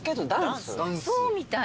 そうみたい。